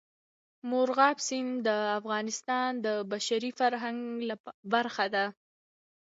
مورغاب سیند د افغانستان د بشري فرهنګ برخه ده.